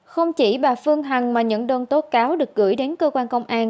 không chỉ bà phương hằng mà những đơn tố cáo được gửi đến cơ quan công an